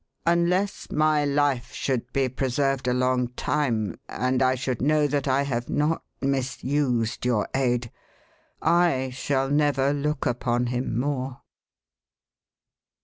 Unless my life should be preserved a long time, and I should know 'that I have not misused your aid, I shall never look upon him more."